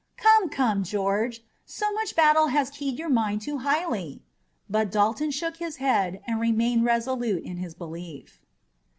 "Come, come, George! So much battle has keyed your mind too highly." But Dalton shook his head and remained resolute in his belief.